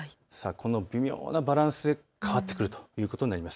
微妙なバランスで変わってくるということになります。